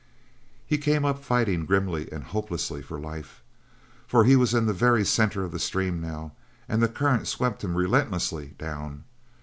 He came up fighting grimly and hopelessly for life. For he was in the very centre of the stream, now, and the current swept him relentlessly down.